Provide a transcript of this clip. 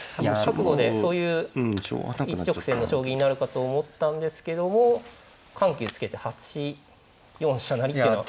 そういう一直線の将棋になるかと思ったんですけども緩急つけて８四飛車成ってのは。